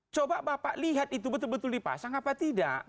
coba bapak lihat itu betul betul dipasang apa tidak